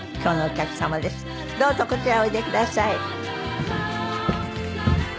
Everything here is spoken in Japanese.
どうぞこちらへおいでください。